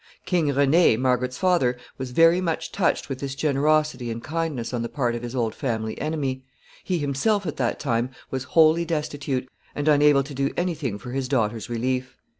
[Sidenote: René's gratitude.] King René, Margaret's father, was very much touched with this generosity and kindness on the part of his old family enemy. He himself, at that time, was wholly destitute, and unable to do any thing for his daughter's relief.